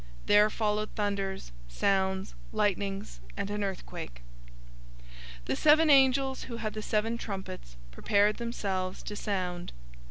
There followed thunders, sounds, lightnings, and an earthquake. 008:006 The seven angels who had the seven trumpets prepared themselves to sound.